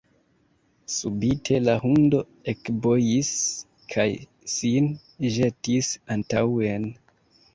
Subite la hundo ekbojis kaj sin ĵetis antaŭen.